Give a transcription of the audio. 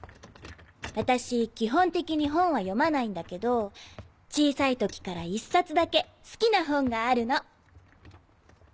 私基本的に本は読まないんだけど小さい時から１冊だけ好きな本があるの。